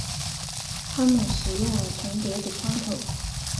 他们使用了重叠的窗口。